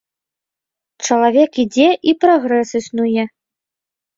Чалавек ідзе, і прагрэс існуе.